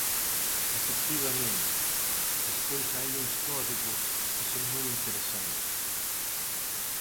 Efectivamente, despois hai uns códigos que son moi interesantes.